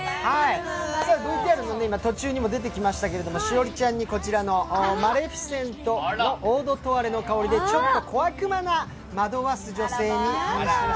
ＶＴＲの途中にも出てきましたけど栞里ちゃんにこちらのマレフィセントのオードトワレの香りでちょっと小悪魔な惑わす女性に。